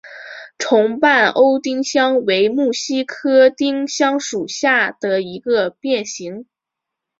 重瓣欧丁香为木犀科丁香属下的一个变型。